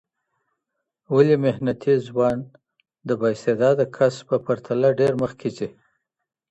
ولي محنتي ځوان د با استعداده کس په پرتله ډېر مخکي ځي؟